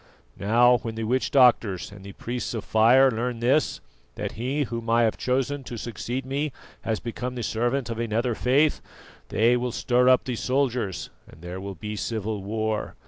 Now when the witch doctors and the priests of fire learn this, that he whom I have chosen to succeed me has become the servant of another faith, they will stir up the soldiers and there will be civil war.